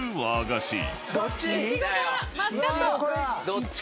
どっち？